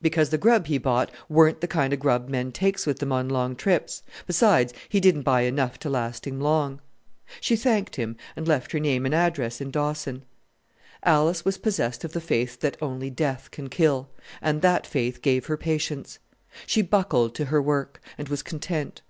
"Because the grub he bought weren't the kind of grub men takes with them on long trips; besides, he didn't buy enough to last him long." She thanked him; and left her name and address in Dawson. Alice was possessed of the faith that only death can kill, and that faith gave her patience. She buckled to her work, and was content.